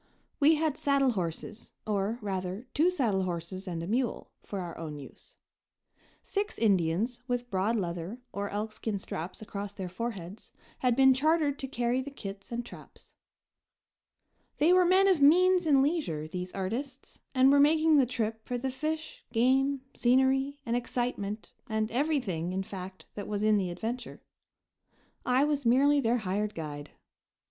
We had saddle horses, or, rather, two saddle horses and a mule, for our own use. Six Indians, with broad leather or elkskin straps across their foreheads, had been chartered to carry the kits and traps. They were men of means and leisure, these artists, and were making the trip for the fish, game, scenery and excitement and everything, in fact, that was in the adventure. I was merely their hired guide.